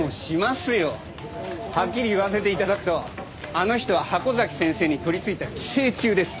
はっきり言わせて頂くとあの人は箱崎先生に取りついた寄生虫です。